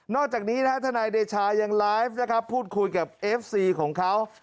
จากนี้นะฮะทนายเดชายังไลฟ์นะครับพูดคุยกับเอฟซีของเขา